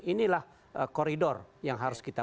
inilah koridor yang harus kita